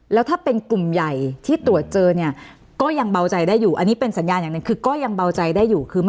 แล้วถ้าเป็นกลุ่มใหญ่ที่ตรวจเจอก็ยังเบาใจได้อยู่